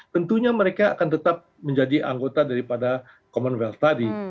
tentunya mereka akan tetap menjadi anggota daripada commonwealth tadi